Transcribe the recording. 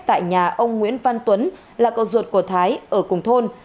tại nhà ông nguyễn văn tuấn là cậu ruột của thái ở cùng thôn